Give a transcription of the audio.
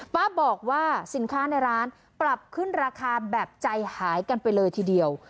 ป้าบอกว่าสินค้าในร้านปรับขึ้นราคาแบบใจหายกันไปเลยทีเดียว